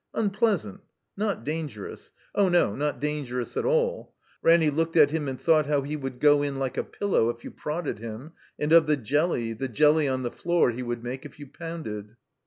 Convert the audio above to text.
Unpleasant, not dangerous; oh no, not dangerous at all. Ranny looked at him and thought how he wotdd go in like a pillow if you prodded him, and of the jelly, the jelly on the floor, he would make if you pounded.